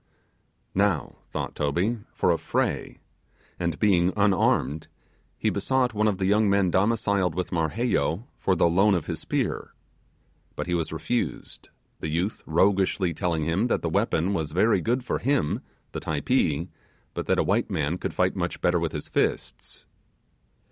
Now, thought Toby, for a fray; and being unarmed, he besought one of the young men domiciled with Marheyo for the loan of his spear. But he was refused; the youth roguishly telling him that the weapon was very good for him (the Typee), but that a white man could fight much better with his fists.